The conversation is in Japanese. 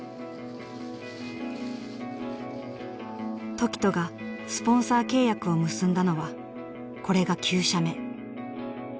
凱人がスポンサー契約を結んだのはこれが９社目。